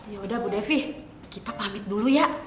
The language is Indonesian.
yaudah bu devi kita pamit dulu ya